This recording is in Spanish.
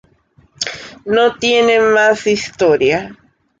No tiene más historia.".